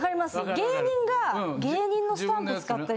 芸人が芸人のスタンプ使ったり。